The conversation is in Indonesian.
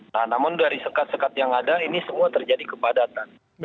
nah namun dari sekat sekat yang ada ini semua terjadi kepadatan